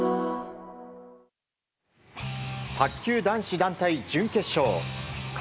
卓球男子団体準決勝。